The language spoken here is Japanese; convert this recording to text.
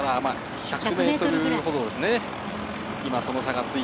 １００ｍほどですね。